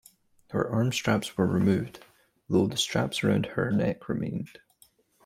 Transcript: Her arm straps were removed, though the strap around her neck remained.